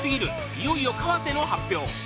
いよいよ川瀬の発表